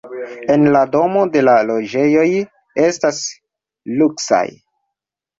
En la domoj la loĝejoj estas luksaj.